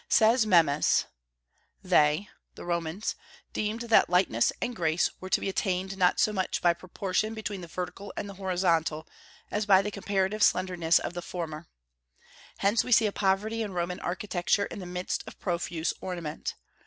Says Memes: "They [the Romans] deemed that lightness and grace were to be attained not so much by proportion between the vertical and the horizontal as by the comparative slenderness of the former. Hence we see a poverty in Roman architecture in the midst of profuse ornament.